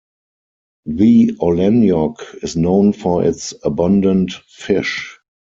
The Olenyok is known for its abundant fish.